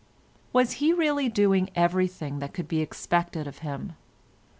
Was he really doing everything that could be expected of him?